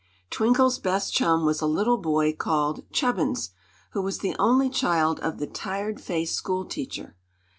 Twinkle's best chum was a little boy called Chubbins, who was the only child of the tired faced school teacher.